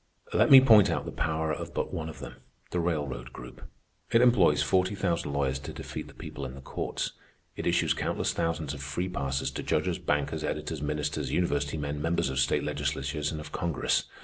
"Let me point out the power of but one of them, the railroad group. It employs forty thousand lawyers to defeat the people in the courts. It issues countless thousands of free passes to judges, bankers, editors, ministers, university men, members of state legislatures, and of Congress.